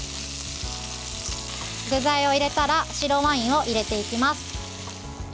具材を入れたら白ワインを入れていきます。